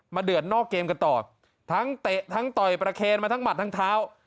เดือดนอกเกมกันต่อทั้งเตะทั้งต่อยประเคนมาทั้งหมัดทั้งเท้า